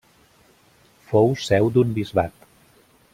Fou seu d'un bisbat.